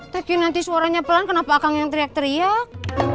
teh kinanti suaranya pelan kenapa akang yang teriak teriak